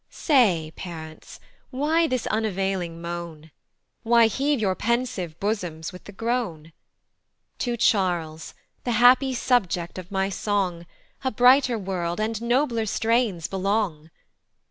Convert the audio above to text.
Say, parents, why this unavailing moan? Why heave your pensive bosoms with the groan? To Charles, the happy subject of my song, A brighter world, and nobler strains belong.